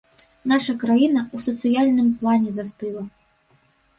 Наша краіна ў сацыяльным плане застыла.